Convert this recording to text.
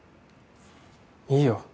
いいよ。